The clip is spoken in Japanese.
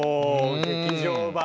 お劇場版！